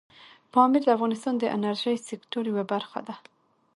پامیر د افغانستان د انرژۍ سکتور یوه برخه ده.